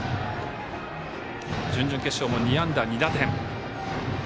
準々決勝も２安打２打点。